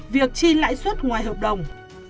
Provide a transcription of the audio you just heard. việc chi lãi suất ngoài hợp đồng